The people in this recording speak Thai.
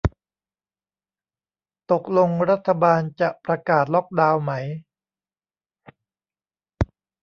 ตกลงรัฐบาลจะประกาศล็อกดาวไหม